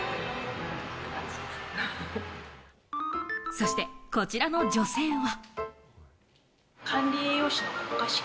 そしてこちらの女性は。